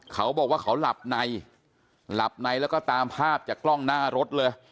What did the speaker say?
เขาบอกว่าเขาหลับในหลับในแล้วก็ตามภาพจากกล้องหน้ารถเลย